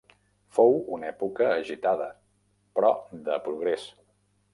Fou una època agitada però de progrés.